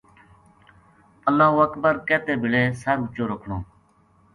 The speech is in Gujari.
اللہ اکبر کہتے بلے سر اچو رکھنو۔